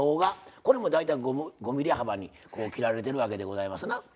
これも大体５ｍｍ幅に切られてるわけでございますな。